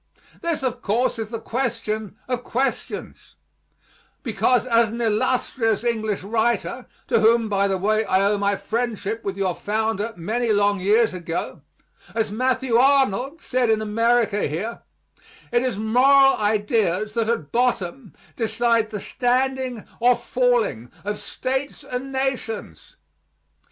This, of course, is the question of questions, because as an illustrious English writer to whom, by the way, I owe my friendship with your founder many long years ago as Matthew Arnold said in America here, it is moral ideas that at bottom decide the standing or falling of states and nations.